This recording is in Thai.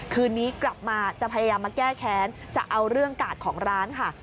คืนนี้กลับมาจะพยายามมาแก้แค้นจะเอาเรื่องกาดของร้านค่ะ